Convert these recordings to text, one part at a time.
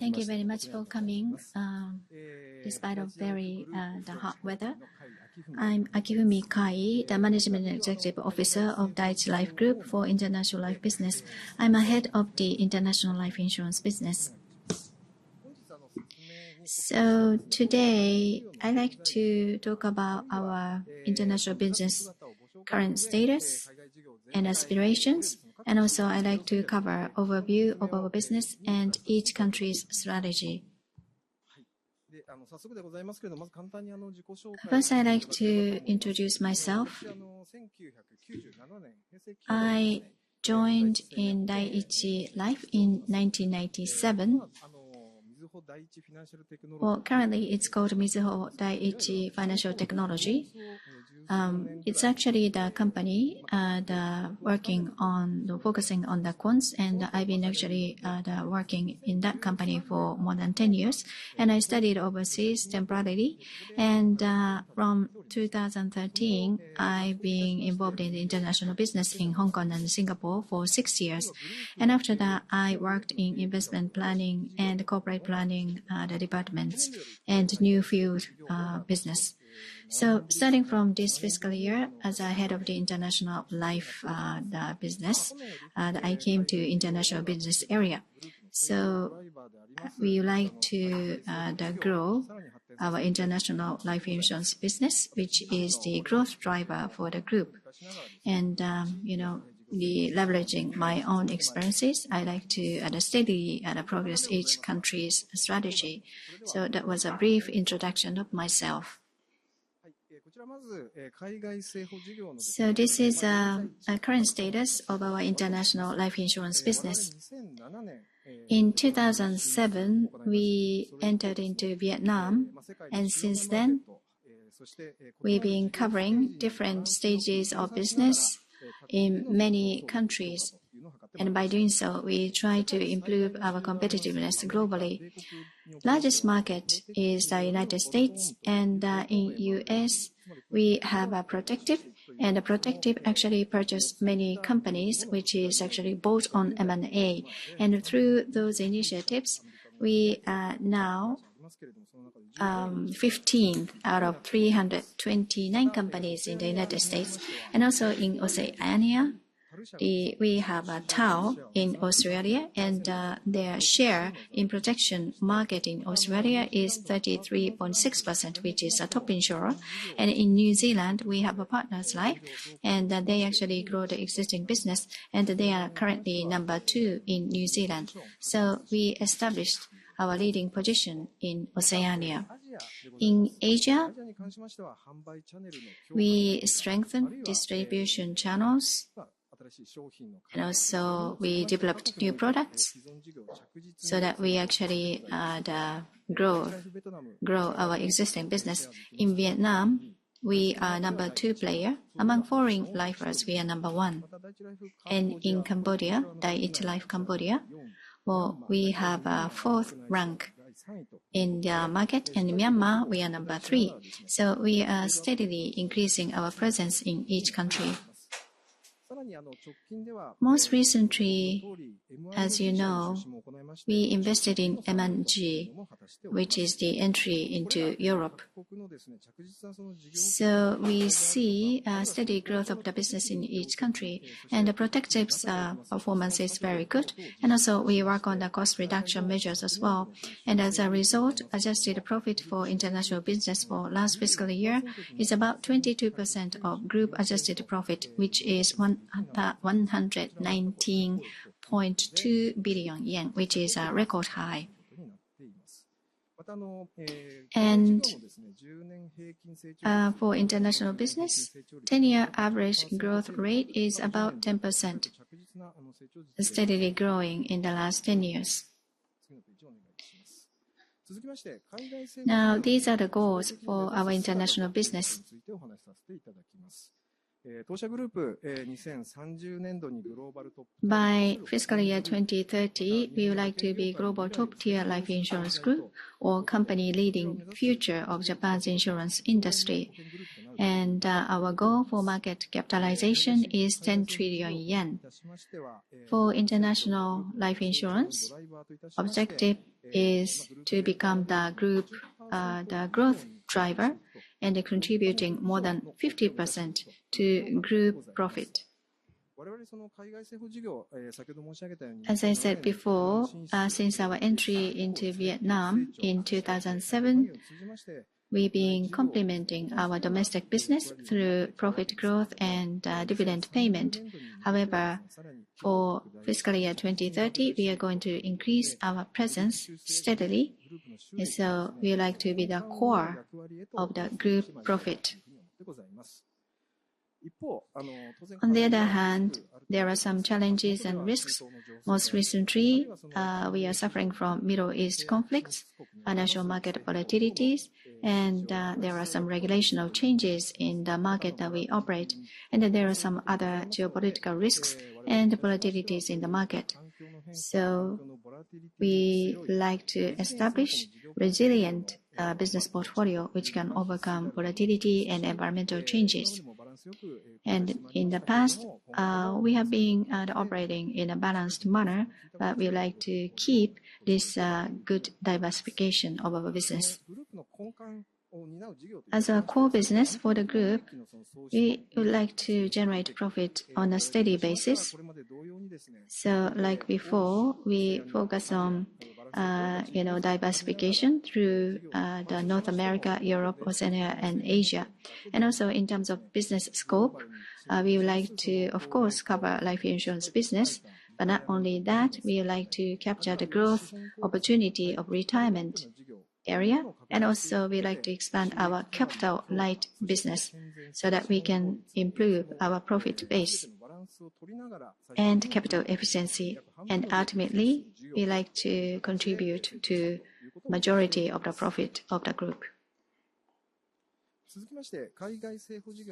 Thank you very much for coming, despite the very hot weather. I'm Akifumi Kai, the Managing Executive Officer of Daiichi Life Group for International Life Business. I'm ahead of the international life insurance business. Today I'd like to talk about our international business current status and aspirations, and also I'd like to cover overview of our business and each country's strategy. First, I'd like to introduce myself. I joined in Dai-ichi Life in 1997. Well, currently it's called Mizuho-DL Financial Technology. It's actually the company working on focusing on the quants, and I've been actually working in that company for more than 10 years. I studied overseas temporarily, and from 2013, I've been involved in the international business in Hong Kong and Singapore for six years. After that, I worked in investment planning and corporate planning, the departments, and new field business. Starting from this fiscal year, as head of the international life business, I came to international business area. We would like to grow our international life insurance business, which is the growth driver for the group. Leveraging my own experiences, I'd like to steadily progress each country's strategy. That was a brief introduction of myself. This is a current status of our international life insurance business. In 2007, we entered into Vietnam, and since then, we've been covering different stages of business in many countries. By doing so, we try to improve our competitiveness globally. Largest market is the United States, and in U.S., we have Protective, and Protective actually purchased many companies, which is actually based on M&A. Through those initiatives, we are now 15 out of 329 companies in the United States. Also in Oceania, we have TAL in Australia, and their share in protection market in Australia is 33.6%, which is a top insurer. In New Zealand, we have Partners Life, and they actually grow the existing business, and they are currently number two in New Zealand. We established our leading position in Oceania. In Asia, we strengthened distribution channels, and also we developed new products so that we actually grow our existing business. In Vietnam, we are number two player. Among foreign lifers, we are number one. In Cambodia, Daiichi Life Cambodia, we have fourth rank in the market. In Myanmar, we are number three. We are steadily increasing our presence in each country. Most recently, as you know, we invested in M&G, which is the entry into Europe. We see a steady growth of the business in each country, and Protective's performance is very good. Also we work on the cost reduction measures as well. As a result, adjusted profit for international business for last fiscal year is about 22% of group adjusted profit, which is 119.2 billion yen, which is a record high. For international business, 10-year average growth rate is about 10%, steadily growing in the last 10 years. These are the goals for our international business. By fiscal year 2030, we would like to be global top-tier life insurance group or company leading future of Japan's insurance industry. Our goal for market capitalization is 10 trillion yen. For international life insurance, objective is to become the growth driver and contributing more than 50% to group profit. As I said before, since our entry into Vietnam in 2007, we've been complementing our domestic business through profit growth and dividend payment. However, for fiscal year 2030, we are going to increase our presence steadily, we like to be the core of the group profit. On the other hand, there are some challenges and risks. Most recently, we are suffering from Middle East conflicts, financial market volatilities, there are some regulational changes in the market that we operate, then there are some other geopolitical risks and volatilities in the market. We like to establish resilient business portfolio which can overcome volatility and environmental changes. In the past, we have been operating in a balanced manner, but we like to keep this good diversification of our business. As a core business for the group, we would like to generate profit on a steady basis. Like before, we focus on diversification through the North America, Europe, Oceania, and Asia. Also in terms of business scope, we would like to, of course, cover life insurance business. Not only that, we would like to capture the growth opportunity of retirement area. Also we would like to expand our capital-light business so that we can improve our profit base and capital efficiency. Ultimately, we would like to contribute to majority of the profit of the group.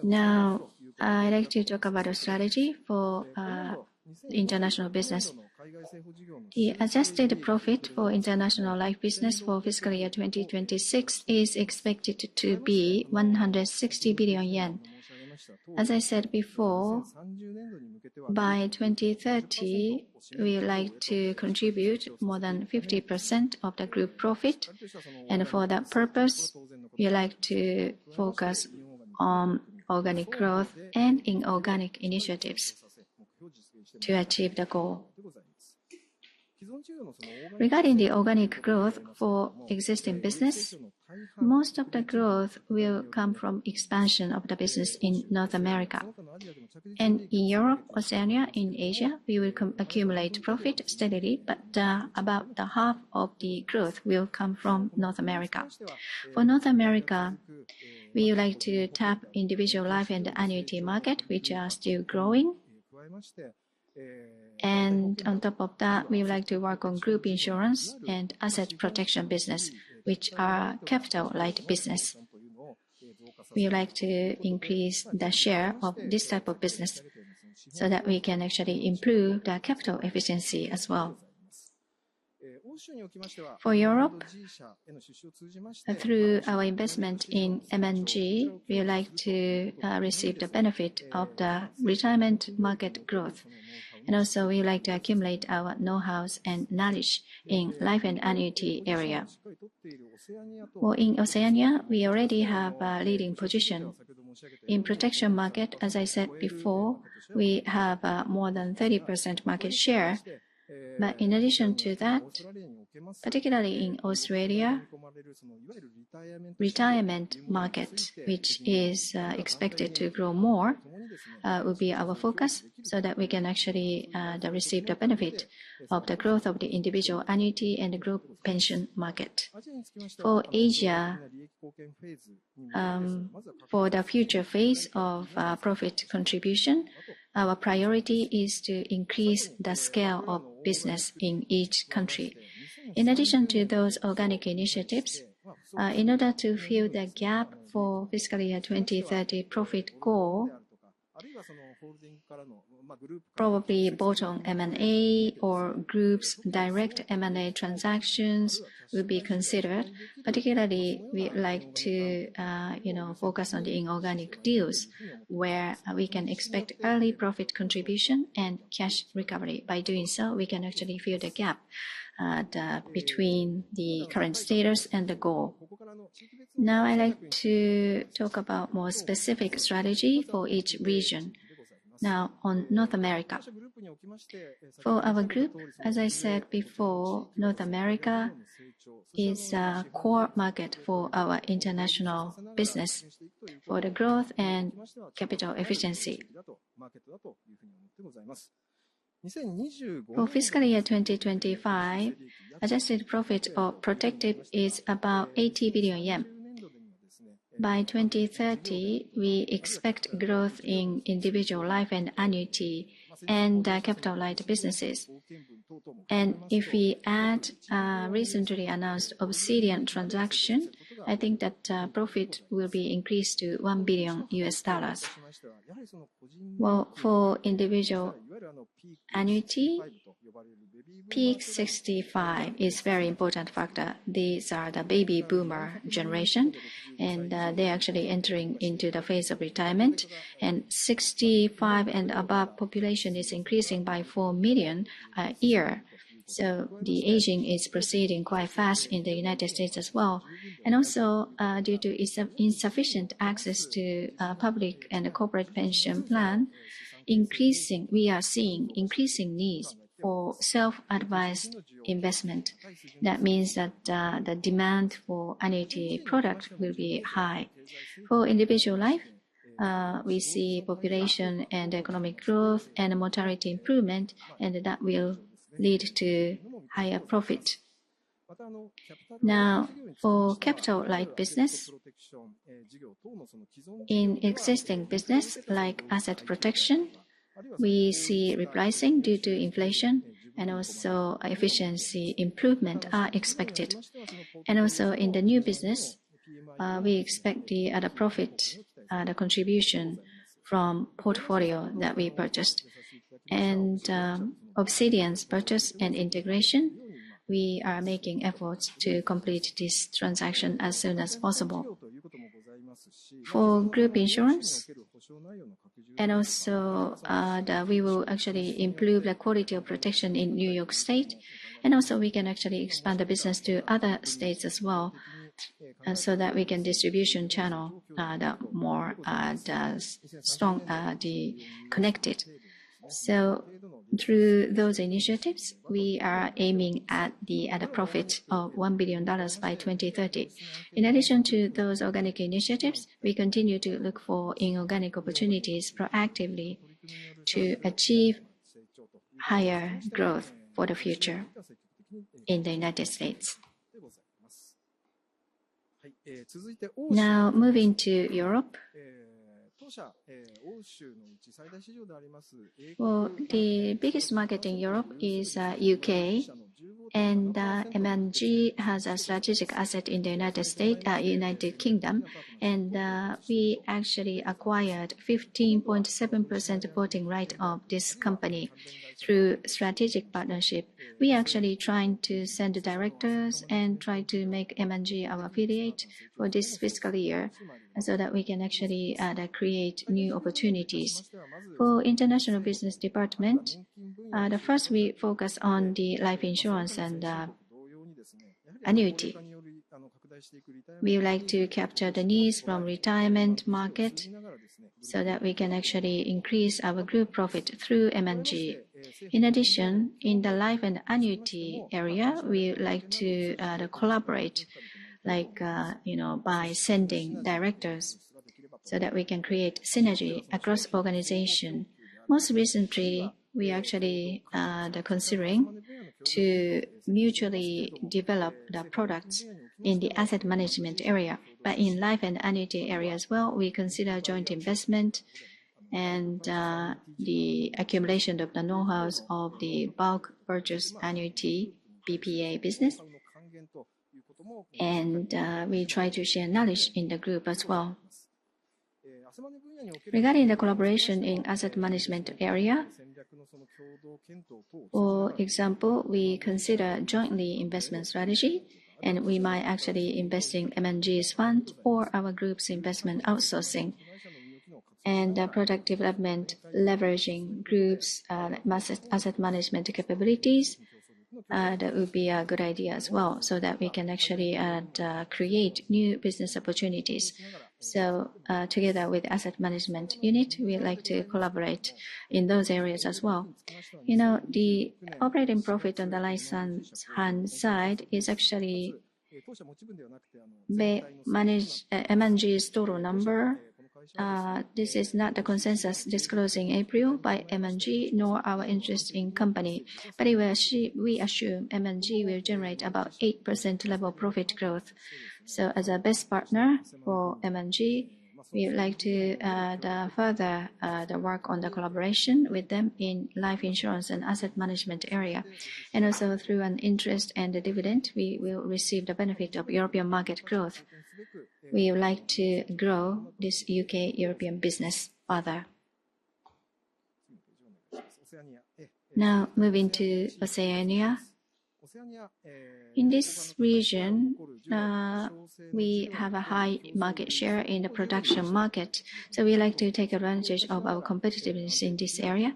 Now, I'd like to talk about our strategy for international business. The adjusted profit for international life business for fiscal year 2026 is expected to be 160 billion yen. As I said before, by 2030, we would like to contribute more than 50% of the group profit. For that purpose, we would like to focus on organic growth and inorganic initiatives to achieve the goal. Regarding the organic growth for existing business, most of the growth will come from expansion of the business in North America. In Europe, Oceania, in Asia, we will accumulate profit steadily, but about the half of the growth will come from North America. For North America, we would like to tap individual life and annuity market, which are still growing. On top of that, we would like to work on group insurance and asset protection business, which are capital-light business. We would like to increase the share of this type of business so that we can actually improve the capital efficiency as well. For Europe, through our investment in M&G, we would like to receive the benefit of the retirement market growth, also we would like to accumulate our know-hows and knowledge in life and annuity area. In Oceania, we already have a leading position. In protection market, as I said before, we have more than 30% market share. In addition to that, particularly in Australia, retirement market, which is expected to grow more, will be our focus so that we can actually receive the benefit of the growth of the individual annuity and the group pension market. For Asia, for the future phase of profit contribution, our priority is to increase the scale of business in each country. In addition to those organic initiatives, in order to fill the gap for fiscal year 2030 profit goal, probably bolt-on M&A or groups direct M&A transactions will be considered. Particularly, we would like to focus on the inorganic deals where we can expect early profit contribution and cash recovery. By doing so, we can actually fill the gap between the current status and the goal. I'd like to talk about more specific strategy for each region. On North America. For our group, as I said before, North America is a core market for our international business for the growth and capital efficiency. For fiscal year 2025, adjusted profit for Protective is about 80 billion yen. By 2030, we expect growth in individual life and annuity and capital-light businesses. If we add recently announced Obsidian transaction, I think that profit will be increased to $1 billion. Well, for individual annuity, P65 is very important factor. These are the baby boomer generation, and they're actually entering into the phase of retirement, and 65 and above population is increasing by 4 million a year. The aging is proceeding quite fast in the United States as well. Due to insufficient access to public and corporate pension plan, we are seeing increasing need for self-advised investment. That means that the demand for annuity product will be high. For individual life, we see population and economic growth and mortality improvement. That will lead to higher profit. For capital-light business, in existing business like asset protection, we see repricing due to inflation and also efficiency improvement are expected. In the new business, we expect the other profit, the contribution from portfolio that we purchased. Obsidian's purchase and integration, we are making efforts to complete this transaction as soon as possible. For group insurance, we will actually improve the quality of protection in New York State, and also we can actually expand the business to other states as well, so that we can distribution channel more strongly connected. Through those initiatives, we are aiming at a profit of $1 billion by 2030. In addition to those organic initiatives, we continue to look for inorganic opportunities proactively to achieve higher growth for the future in the United States. Moving to Europe. The biggest market in Europe is U.K., and M&G has a strategic asset in the United Kingdom. We actually acquired 15.7% voting right of this company through strategic partnership. We actually trying to send directors and try to make M&G our affiliate for this fiscal year so that we can actually create new opportunities. For international business department, first we focus on the life insurance and annuity. We would like to capture the needs from retirement market so that we can actually increase our group profit through M&G. In addition, in the life and annuity area, we would like to collaborate by sending directors so that we can create synergy across organization. Most recently, we actually are considering to mutually develop the products in the asset management area. In life and annuity area as well, we consider joint investment and the accumulation of the know-hows of the bulk purchase annuity, BPA business. We try to share knowledge in the group as well. Regarding the collaboration in asset management area, for example, we consider jointly investment strategy. We might actually invest in M&G's fund or our group's investment outsourcing. Product development leveraging groups like asset management capabilities, that would be a good idea as well, so that we can actually create new business opportunities. Together with asset management unit, we would like to collaborate in those areas as well. The operating profit on the license side is actually managed, M&G's total number. This is not the consensus disclosed in April by M&G, nor our interest in company. We assume M&G will generate about 8% level profit growth. So as a best partner for M&G, we would like to further the work on the collaboration with them in life insurance and asset management area. Also through an interest and a dividend, we will receive the benefit of European market growth. We would like to grow this U.K. European business further. Now moving to Oceania. In this region, we have a high market share in the protection market. So we like to take advantage of our competitiveness in this area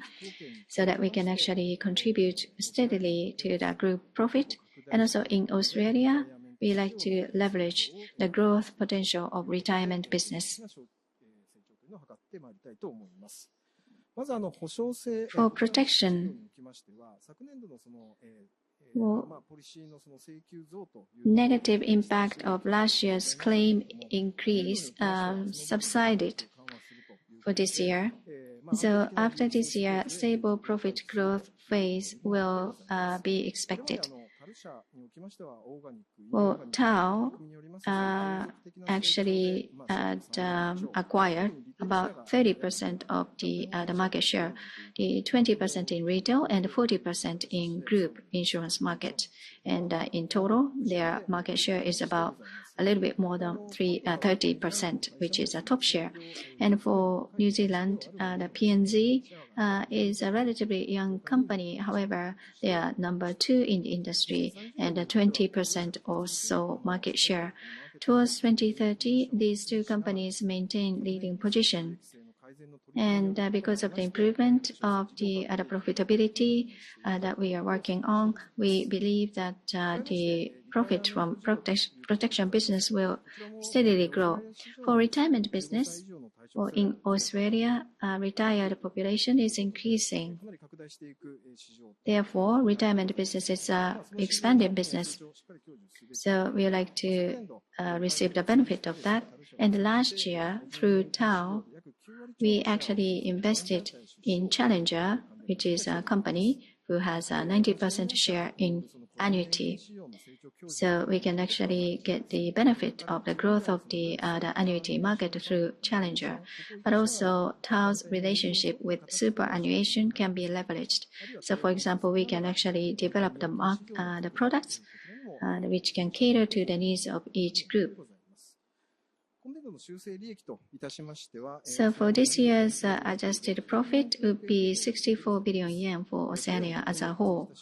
so that we can actually contribute steadily to the group profit. Also in Australia, we like to leverage the growth potential of retirement business. For protection, negative impact of last year's claim increase subsided for this year. After this year, stable profit growth phase will be expected. TAL actually acquired about 30% of the market share, 20% in retail and 40% in group insurance market. In total, their market share is about a little bit more than 30%, which is a top share. For New Zealand, the PNZ is a relatively young company. However, they are number two in the industry and a 20% or so market share. Towards 2030, these two companies maintain leading position. Because of the improvement of the profitability that we are working on, we believe that the profit from protection business will steadily grow. For retirement business, in Australia, retired population is increasing. Therefore, retirement business is an expanding business. So we would like to receive the benefit of that. Last year, through TAL, we actually invested in Challenger, which is a company who has a 90% share in annuity. So we can actually get the benefit of the growth of the annuity market through Challenger. Also, TAL's relationship with superannuation can be leveraged. For example, we can actually develop the products which can cater to the needs of each group. For this year's adjusted profit, it would be 64 billion yen for Oceania as a whole.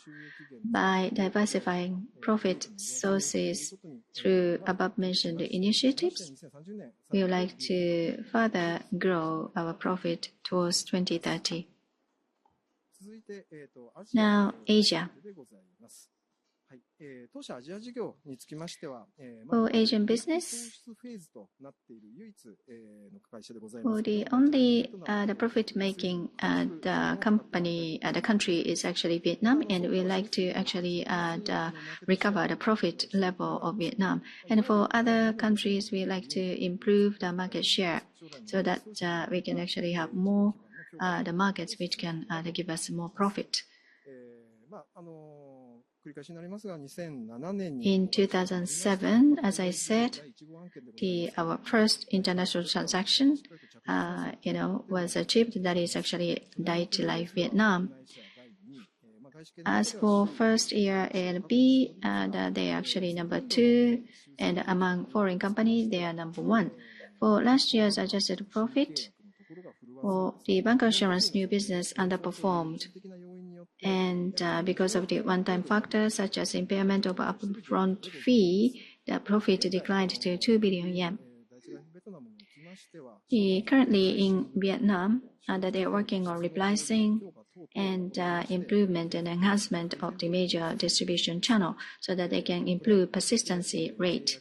By diversifying profit sources through above mentioned initiatives, we would like to further grow our profit towards 2030. Now Asia. For Asian business, the only profit making country is actually Vietnam. We like to recover the profit level of Vietnam. For other countries, we like to improve the market share so that we can have more markets which can give us more profit. In 2007, as I said, our first international transaction was achieved, that is actually Dai-ichi Life Vietnam. As for first year ANP, they are actually number two, and among foreign companies, they are number one. For last year's adjusted profit, for the bancassurance, new business underperformed. Because of the one time factors such as impairment of upfront fee, their profit declined to 2 billion yen. Currently in Vietnam, they are working on replacing and improvement and enhancement of the major distribution channel so that they can improve persistency rate.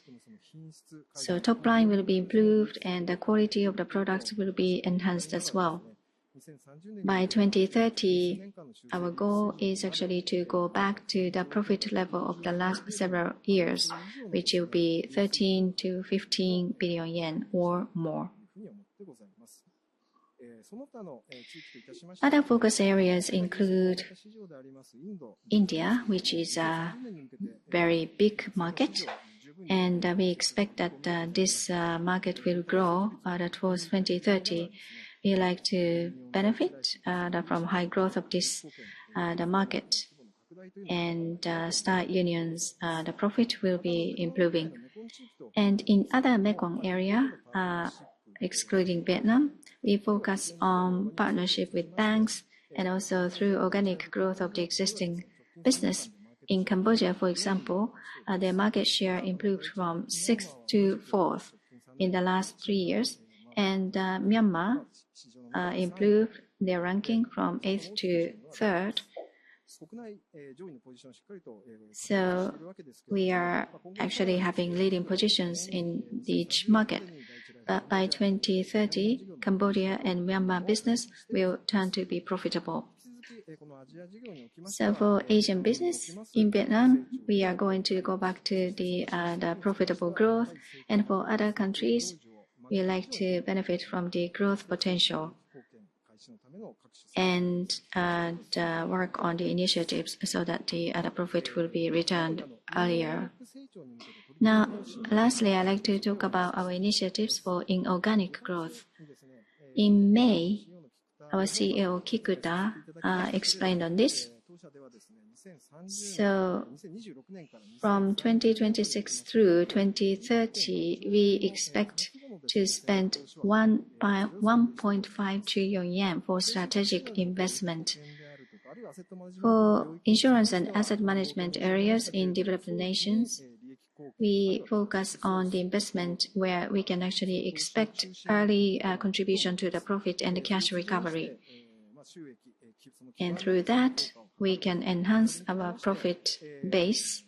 So top line will be improved and the quality of the products will be enhanced as well. By 2030, our goal is to go back to the profit level of the last several years, which will be 13 billion-15 billion yen or more. Other focus areas include India, which is a very big market, and we expect that this market will grow towards 2030. We like to benefit from high growth of this market and Star Union's profit will be improving. In other Mekong area, excluding Vietnam, we focus on partnership with banks and also through organic growth of the existing business. In Cambodia, for example, their market share improved from sixth to fourth in the last three years. Myanmar improved their ranking from eighth to third. We are actually having leading positions in each market. By 2030, Cambodia and Myanmar business will turn to be profitable. For Asian business in Vietnam, we are going to go back to the profitable growth. For other countries, we like to benefit from the growth potential and work on the initiatives so that the other profit will be returned earlier. Now lastly, I'd like to talk about our initiatives for inorganic growth. In May, our CEO Kikuta explained on this. From 2026 through 2030, we expect to spend 1.5 trillion yen for strategic investment. For insurance and asset management areas in developed nations, we focus on the investment where we can actually expect early contribution to the profit and the cash recovery. Through that, we can enhance our profit base.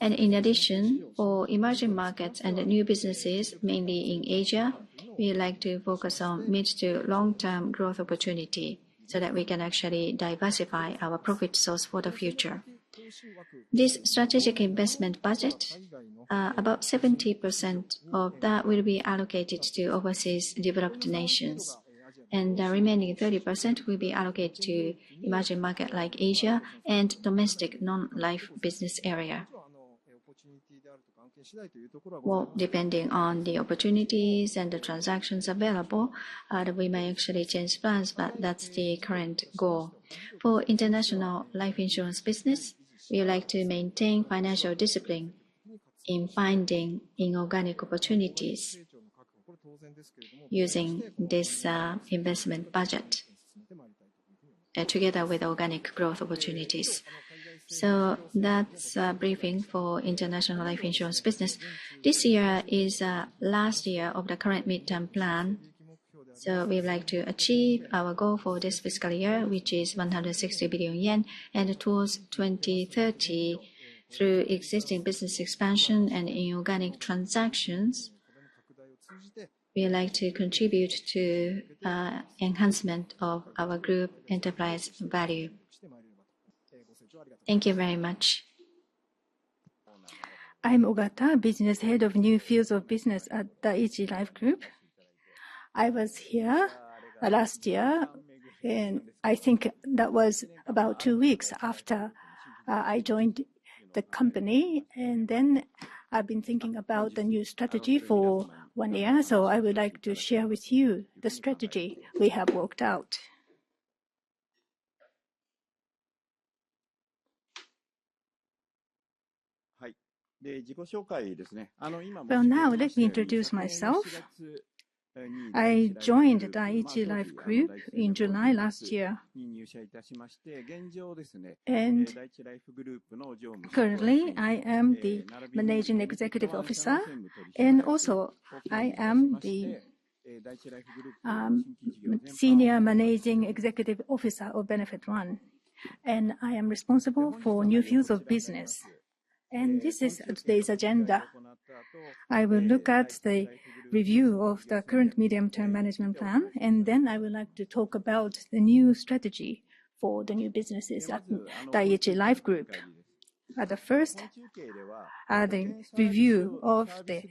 In addition, for emerging markets and new businesses, mainly in Asia, we like to focus on mid-to-long-term growth opportunity so that we can actually diversify our profit source for the future. This strategic investment budget, about 70% of that will be allocated to overseas developed nations, and the remaining 30% will be allocated to emerging market like Asia and domestic non-life business area. Well, depending on the opportunities and the transactions available, we may actually change plans, but that's the current goal. For international life insurance business, we like to maintain financial discipline in finding inorganic opportunities using this investment budget together with organic growth opportunities. That's a briefing for international life insurance business. This year is last year of the current midterm plan. We'd like to achieve our goal for this fiscal year, which is 160 billion yen, and towards 2030 through existing business expansion and inorganic transactions, we like to contribute to enhancement of our group enterprise value. Thank you very much. I'm Ogata, Business Head of New Fields of Business at Daiichi Life Group. I was here last year, I think that was about two weeks after I joined the company, then I've been thinking about the new strategy for one year. I would like to share with you the strategy we have worked out. Well, now let me introduce myself. I joined Daiichi Life Group in July last year. Currently I am the Managing Executive Officer, also I am the Senior Managing Executive Officer of Benefit One, and I am responsible for new fields of business. This is today's agenda. I will look at the review of the current medium-term management plan, then I would like to talk about the new strategy for the new businesses at Daiichi Life Group. At first, the review of the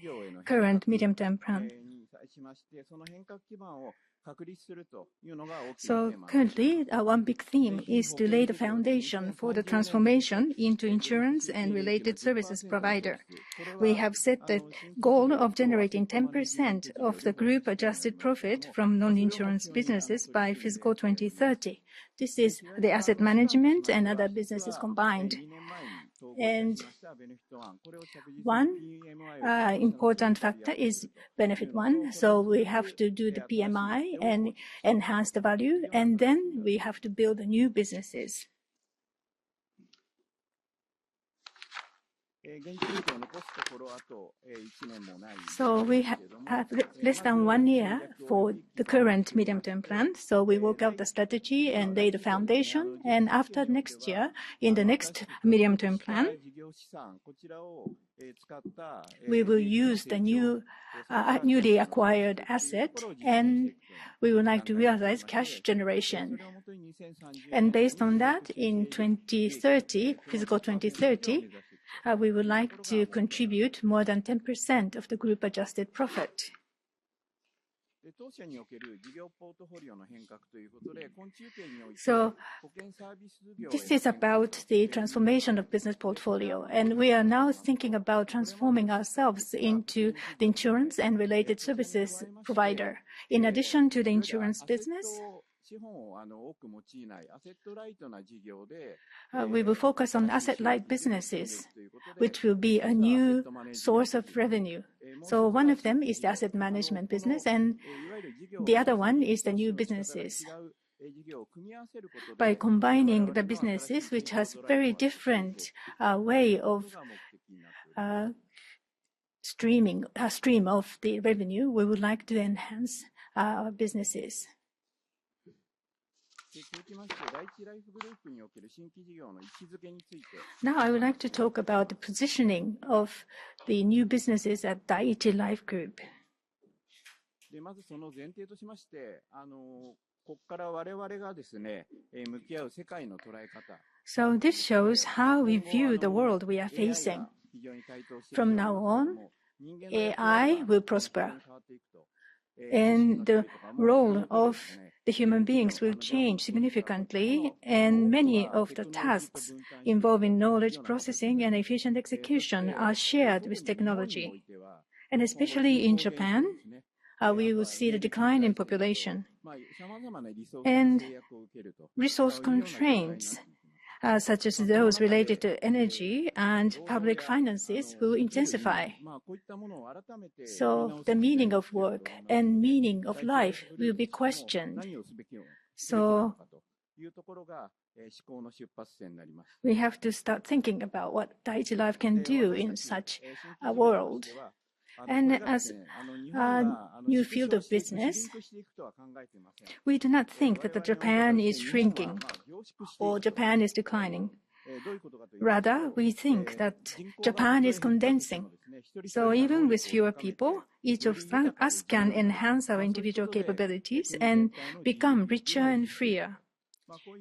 current medium-term plan. Currently, our one big theme is to lay the foundation for the transformation into insurance and related services provider. We have set the goal of generating 10% of the group-adjusted profit from non-insurance businesses by fiscal 2030. This is the asset management and other businesses combined. One important factor is Benefit One. We have to do the PMI and enhance the value. We have to build new businesses. We have less than one year for the current medium-term plan. We work out the strategy and lay the foundation. After next year, in the next medium-term plan, we will use the newly acquired asset. We would like to realize cash generation. Based on that, in fiscal 2030, we would like to contribute more than 10% of the group-adjusted profit. This is about the transformation of business portfolio. We are now thinking about transforming ourselves into the insurance and related services provider. In addition to the insurance business, we will focus on asset-light businesses, which will be a new source of revenue. One of them is the asset management business. The other one is the new businesses. By combining the businesses, which has very different way of stream of the revenue, we would like to enhance our businesses. I would like to talk about the positioning of the new businesses at Daiichi Life Group. This shows how we view the world we are facing. From now on, AI will prosper. The role of the human beings will change significantly. Many of the tasks involving knowledge processing and efficient execution are shared with technology. Especially in Japan, we will see the decline in population. Resource constraints, such as those related to energy and public finances, will intensify. The meaning of work and meaning of life will be questioned. We have to start thinking about what Daiichi Life can do in such a world. As a new field of business, we do not think that Japan is shrinking or Japan is declining. Rather, we think that Japan is condensing. Even with fewer people, each of us can enhance our individual capabilities and become richer and freer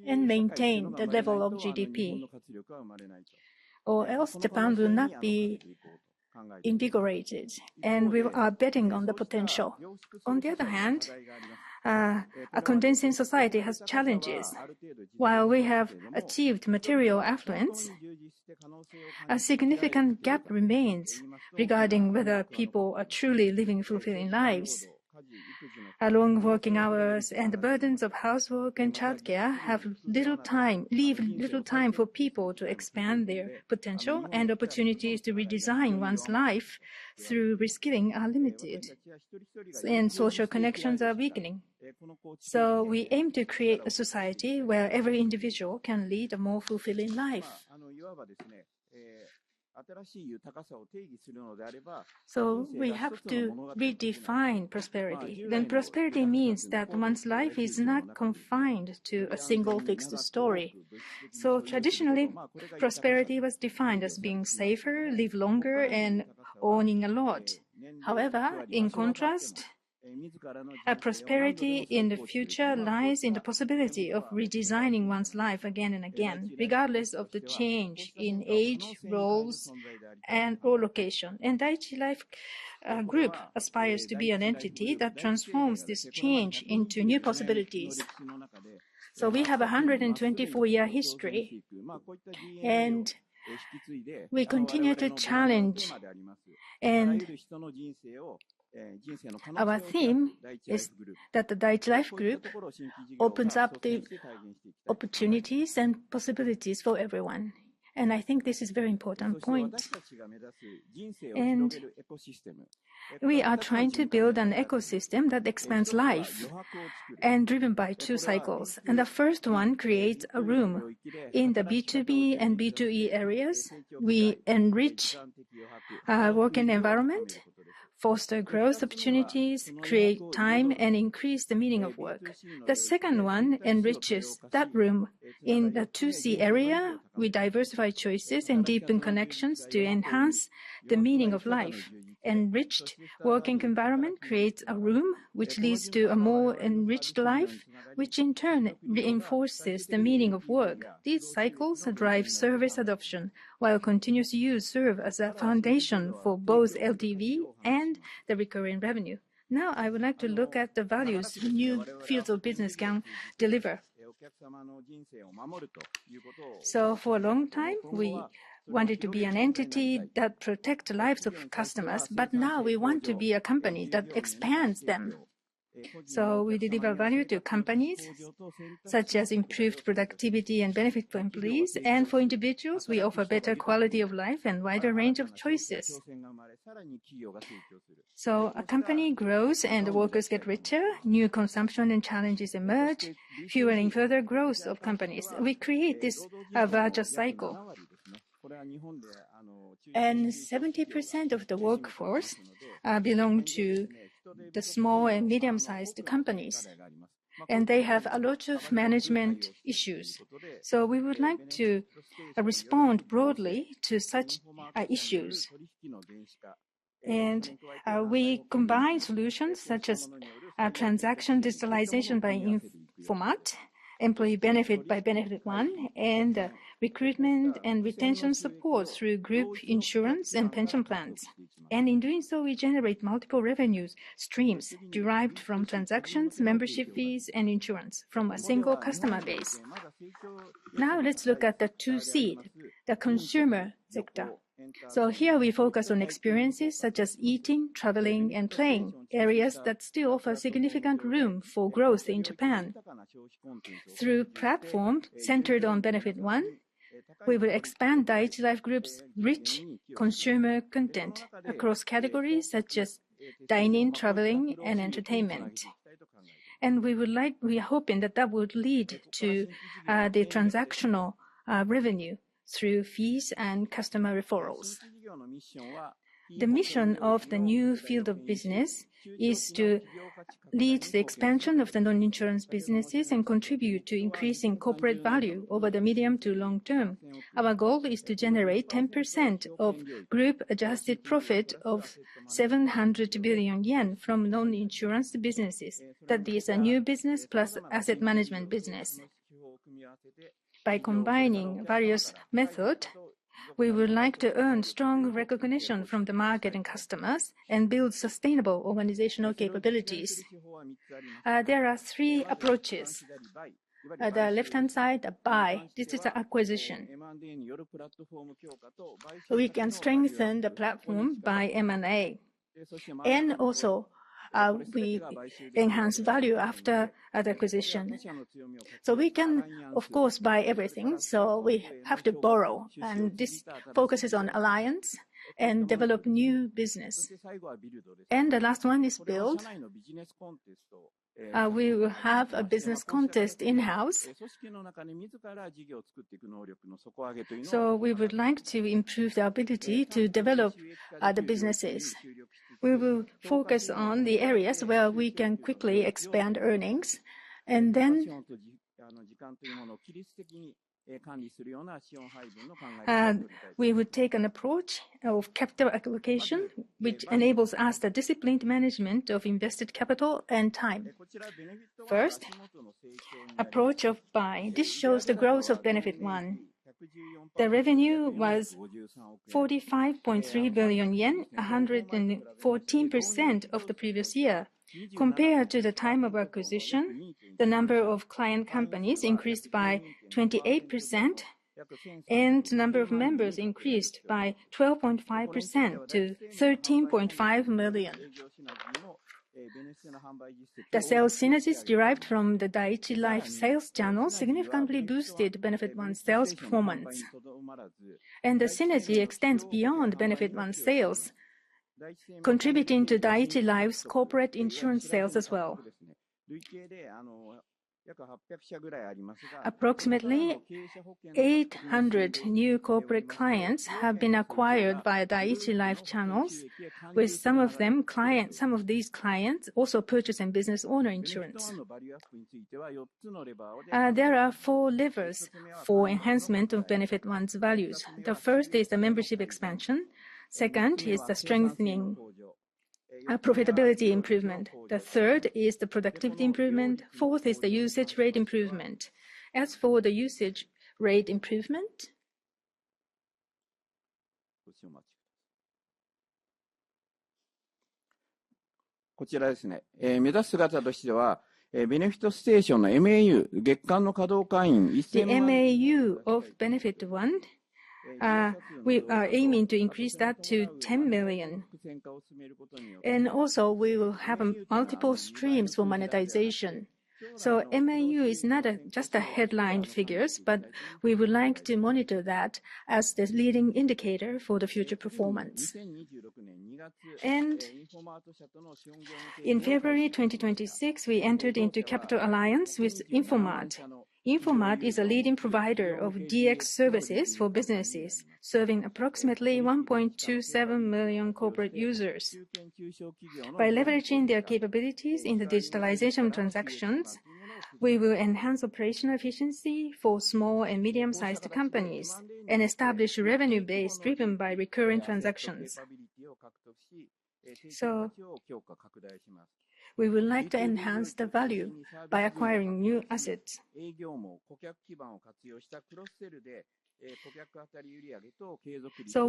and maintain the level of GDP, or else Japan will not be invigorated. We are betting on the potential. On the other hand, a condensing society has challenges. While we have achieved material affluence, a significant gap remains regarding whether people are truly living fulfilling lives. Our long working hours and the burdens of housework and childcare leave little time for people to expand their potential. Opportunities to redesign one's life through reskilling are limited. Social connections are weakening. We aim to create a society where every individual can lead a more fulfilling life. We have to redefine prosperity. Prosperity means that one's life is not confined to a single fixed story. Traditionally, prosperity was defined as being safer, live longer, and owning a lot. However, in contrast, prosperity in the future lies in the possibility of redesigning one's life again and again, regardless of the change in age, roles, and/or location. Daiichi Life Group aspires to be an entity that transforms this change into new possibilities. We have 124-year history. We continue to challenge. Our theme is that the Daiichi Life Group opens up the opportunities and possibilities for everyone. I think this is very important point. We are trying to build an ecosystem that expands life and driven by two cycles. The first one creates a room. In the B2B and B2E areas, we enrich working environment, foster growth opportunities, create time, and increase the meaning of work. The second one enriches that room. In the B2C area, we diversify choices and deepen connections to enhance the meaning of life. Enriched working environment creates a room, which leads to a more enriched life, which in turn reinforces the meaning of work. These cycles drive service adoption, while continuous use serves as a foundation for both LTV and the recurring revenue. I would like to look at the values new fields of business can deliver. For a long time, we wanted to be an entity that protected the lives of customers, but now we want to be a company that expands them. We deliver value to companies, such as improved productivity and benefit for employees. For individuals, we offer better quality of life and wider range of choices. A company grows and the workers get richer, new consumption and challenges emerge, fueling further growth of companies. We create this virtuous cycle. 70% of the workforce belong to the small and medium-sized companies, and they have a lot of management issues. We would like to respond broadly to such issues. We combine solutions such as transaction digitalization by Infomart, employee benefit by Benefit One, and recruitment and retention support through group insurance and pension plans. In doing so, we generate multiple revenue streams derived from transactions, membership fees, and insurance from a single customer base. Let's look at the B2C, the consumer sector. Here we focus on experiences such as eating, traveling, and playing, areas that still offer significant room for growth in Japan. Through platform centered on Benefit One, we will expand Daiichi Life Group's rich consumer content across categories such as dining, traveling, and entertainment. We are hoping that that would lead to the transactional revenue through fees and customer referrals. The mission of the new field of business is to lead the expansion of the non-insurance businesses and contribute to increasing corporate value over the medium to long term. Our goal is to generate 10% of group adjusted profit of 700 billion yen from non-insurance businesses. That is a new business plus asset management business. By combining various methods, we would like to earn strong recognition from the market and customers and build sustainable organizational capabilities. There are three approaches. The left-hand side, the buy. This is acquisition. We can strengthen the platform by M&A, we enhance value after acquisition. We can, of course, buy everything, we have to borrow, and this focuses on alliance and develops new business. The last one is build. We will have a business contest in-house. We would like to improve the ability to develop the businesses. We will focus on the areas where we can quickly expand earnings. We would take an approach of capital allocation, which enables us the disciplined management of invested capital and time. First, the approach of buy. This shows the growth of Benefit One. The revenue was 45.3 billion yen, 114% of the previous year. Compared to the time of acquisition, the number of client companies increased by 28%, and the number of members increased by 12.5% to 13.5 million. The sales synergies derived from the Daiichi Life sales channel significantly boosted Benefit One's sales performance. The synergy extends beyond Benefit One sales, contributing to Daiichi Life's corporate insurance sales as well. Approximately 800 new corporate clients have been acquired by Daiichi Life channels, with some of these clients also purchasing business owner insurance. There are four levers for enhancement of Benefit One's values. The first is the membership expansion, second is the strengthening profitability improvement, the third is the productivity improvement, fourth is the usage rate improvement. As for the usage rate improvement, the MAU of Benefit One, we are aiming to increase that to 10 million. Also, we will have multiple streams for monetization. MAU is not just a headline figures, but we would like to monitor that as the leading indicator for the future performance. In February 2026, we entered into capital alliance with Infomart. Infomart is a leading provider of DX services for businesses, serving approximately 1.27 million corporate users. By leveraging their capabilities in the digitalization transactions, we will enhance operational efficiency for small and medium-sized companies and establish a revenue base driven by recurring transactions. We would like to enhance the value by acquiring new assets.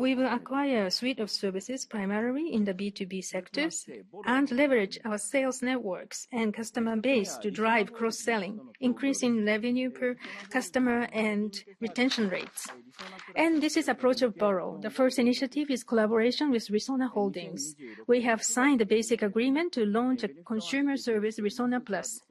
We will acquire a suite of services, primarily in the B2B sectors, and leverage our sales networks and customer base to drive cross-selling, increasing revenue per customer and retention rates. This is approach of borrow. The first initiative is collaboration with Resona Holdings. We have signed a basic agreement to launch a consumer service, Resona Plus.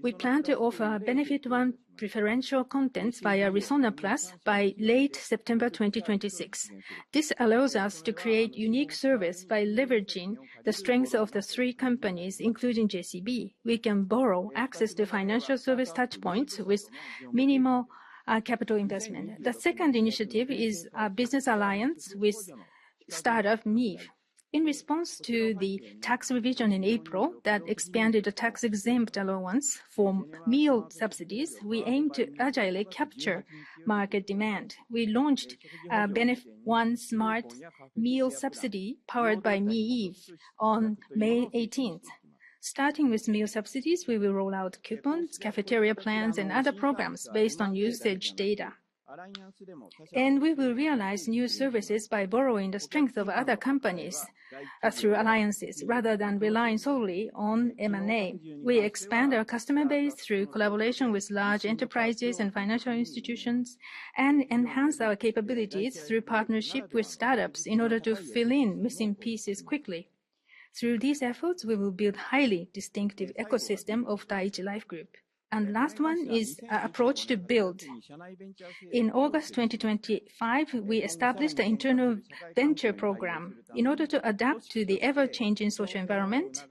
We plan to offer Benefit One preferential content via Resona Plus by late September 2026. This allows us to create unique service by leveraging the strength of the three companies, including JCB. We can borrow access to financial service touchpoints with minimal capital investment. The second initiative is a business alliance with startup miive. In response to the tax revision in April that expanded the tax-exempt allowance for meal subsidies, we aim to agilely capture market demand. We launched our Benefit One Smart Meal Subsidy powered by miive on May 18th. Starting with meal subsidies, we will roll out coupons, cafeteria plans, and other programs based on usage data. We will realize new services by borrowing the strength of other companies through alliances rather than relying solely on M&A. We expand our customer base through collaboration with large enterprises and financial institutions, and enhance our capabilities through partnership with startups in order to fill in missing pieces quickly. Through these efforts, we will build highly distinctive ecosystem of Daiichi Life Group. Last one is approach to build. In August 2025, we established an internal venture program. In order to adapt to the ever-changing social environment,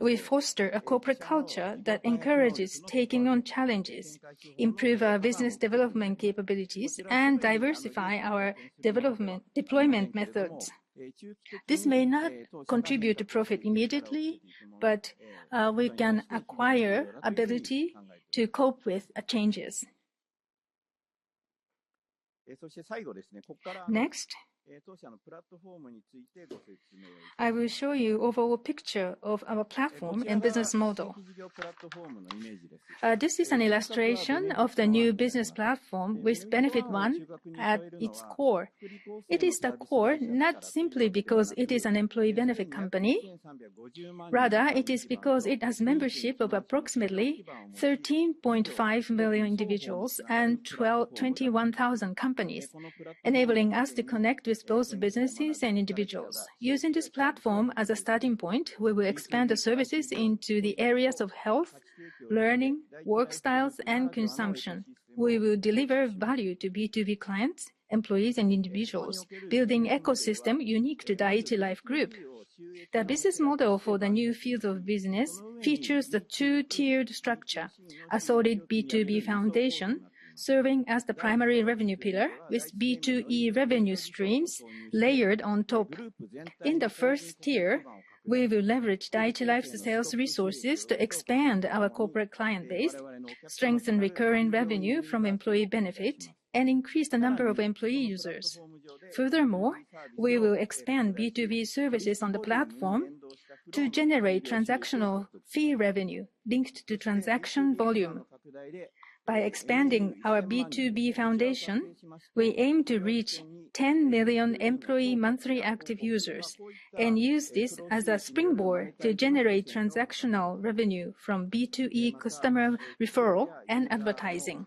we foster a corporate culture that encourages taking on challenges, improve our business development capabilities, and diversify our deployment methods. This may not contribute to profit immediately, but we can acquire ability to cope with changes. Next, I will show you overall picture of our platform and business model. This is an illustration of the new business platform with Benefit One at its core. It is the core, not simply because it is an employee benefit company. Rather, it is because it has membership of approximately 13.5 million individuals and 21,000 companies, enabling us to connect with both businesses and individuals. Using this platform as a starting point, we will expand the services into the areas of health, learning, work styles, and consumption. We will deliver value to B2B clients, employees, and individuals, building ecosystem unique to Daiichi Life Group. The business model for the new field of business features the two-tiered structure. A solid B2B foundation serving as the primary revenue pillar with B2E revenue streams layered on top. In the first tier, we will leverage Daiichi Life's sales resources to expand our corporate client base, strengthen recurring revenue from employee benefit, and increase the number of employee users. Furthermore, we will expand B2B services on the platform to generate transactional fee revenue linked to transaction volume. By expanding our B2B foundation, we aim to reach 10 million employee monthly active users and use this as a springboard to generate transactional revenue from B2E customer referral and advertising.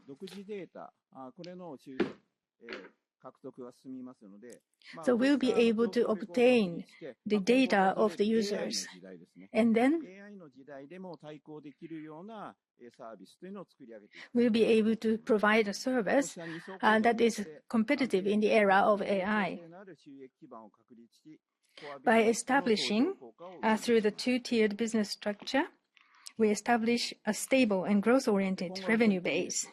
We'll be able to obtain the data of the users, and then we'll be able to provide a service that is competitive in the era of AI. By establishing through the two-tiered business structure, we establish a stable and growth-oriented revenue base.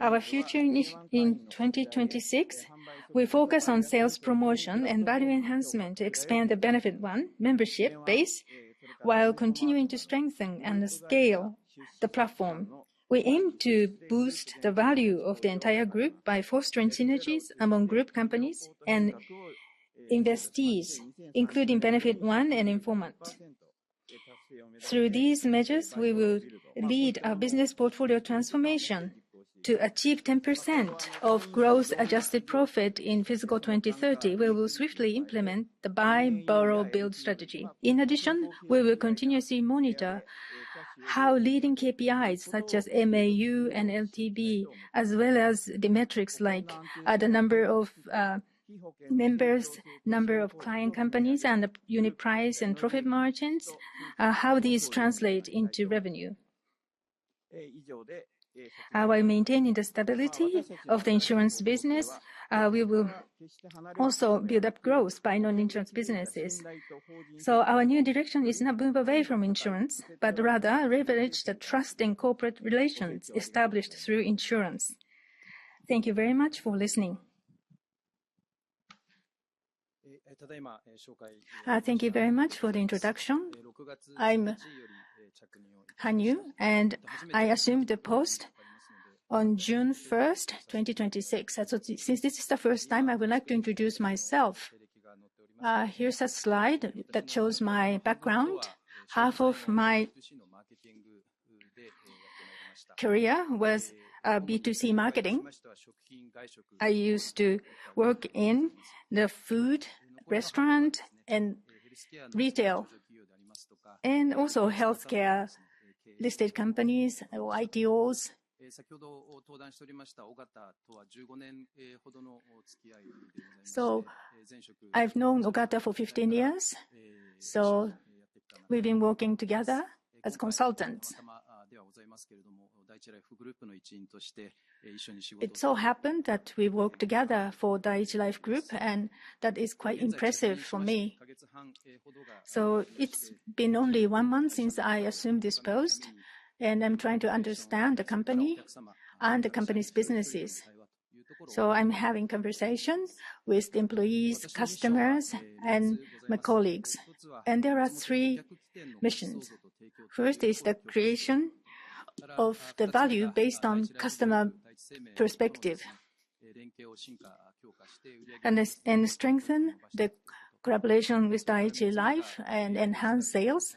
Our future in 2026, we focus on sales, promotion, and value enhancement to expand the Benefit One membership base while continuing to strengthen and scale the platform. We aim to boost the value of the entire group by fostering synergies among group companies and investees, including Benefit One and Infomart. Through these measures, we will lead our business portfolio transformation to achieve 10% of gross adjusted profit in fiscal 2030. We will swiftly implement the buy, borrow, build strategy. In addition, we will continuously monitor how leading KPIs such as MAU and LTV, as well as the metrics like the number of members, number of client companies, and unit price and profit margins, how these translate into revenue. While maintaining the stability of the insurance business, we will also build up growth by non-insurance businesses. Our new direction is not move away from insurance, but rather leverage the trust in corporate relations established through insurance. Thank you very much for listening. Thank you very much for the introduction. I'm Hanyu, and I assumed the post on June 1st, 2026. Since this is the first time, I would like to introduce myself. Here's a slide that shows my background. Half of my career was B2C marketing. I used to work in the food, restaurant, and retail, and also healthcare listed companies or [ITOs]. I've known Ogata for 15 years, so we've been working together as consultants. It so happened that we worked together for Daiichi Life Group, and that is quite impressive for me. It's been only one month since I assumed this post, and I'm trying to understand the company and the company's businesses. I'm having conversations with employees, customers, and my colleagues. There are three missions. First is the creation of the value based on customer perspective and strengthen the collaboration with Daiichi Life and enhance sales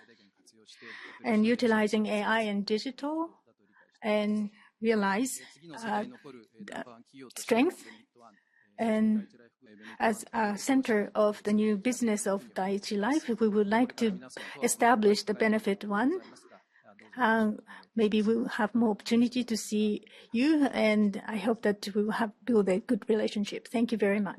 and utilizing AI and digital and realize strength. As a center of the new business of Daiichi Life, we would like to establish the Benefit One. Maybe we will have more opportunity to see you, and I hope that we will build a good relationship. Thank you very much.